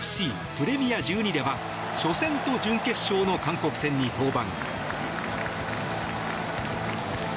プレミア１２では初戦と準決勝の韓国戦に登板。